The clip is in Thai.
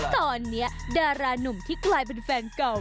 ตอนนี้ดารานุ่มที่กลายเป็นแฟนเก่า